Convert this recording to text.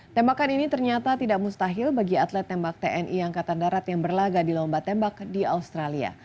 tembakan ini ternyata tidak mustahil bagi atlet tembak tni angkatan darat yang berlaga di lomba tembak di australia